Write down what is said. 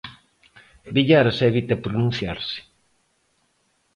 Villares evita pronunciarse.